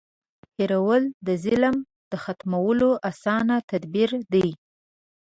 د ظالم هېرول د ظلم د ختمولو اسانه تدبير دی.